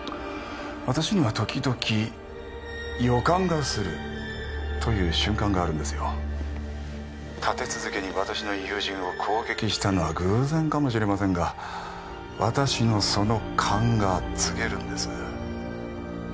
私には時々予感がするという瞬間があるんですよ☎立て続けに私の友人を攻撃したのは偶然かもしれませんが私のその勘が告げるんです